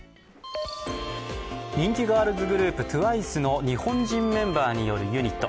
人気ガールズグループＴＷＩＣＥの日本人メンバーによるユニット。